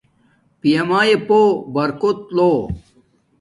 پیا میݵ پُُو برکت لو